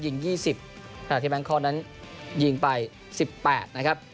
ยิง๒๐ขณะที่แบงคอกนั้นยิงไป๑๘นะครับ